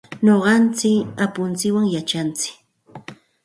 Nuqanchik apuntsikwan yachantsik.